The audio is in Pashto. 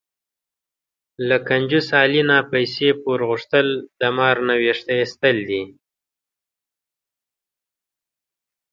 له کنجوس علي نه پیسې پور غوښتل، د مار نه وېښته ایستل دي.